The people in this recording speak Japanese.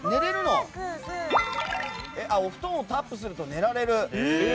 お布団をタップすると寝られる。